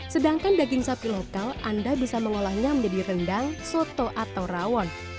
sedangkan daging sapi lokal anda bisa mengolahnya menjadi rendang soto atau rawon